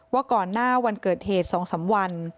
ก่อนหน้าวันเกิดเหตุ๒๓วัน